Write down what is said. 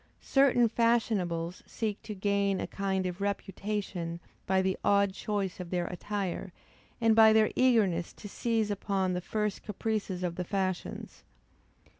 Certain fashionables seek to gain a kind of reputation by the odd choice of their attire, and by their eagerness to seize upon the first caprices of the fashions.